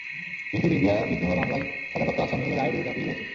Pintu BDR বিদ্রোহ মামলায় সাজাপ্রাপ্ত আসামি হলেও রায়ের বিরুদ্ধে আপিল রয়েছে।